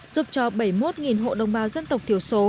giúp cho bảy mươi một hộ đồng bào dân tộc thiểu số